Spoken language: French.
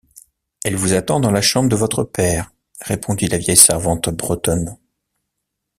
Elle vous attend dans la chambre de votre père, répondit la vieille servante bretonne.